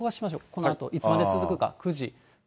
このあと、いつまで続くか。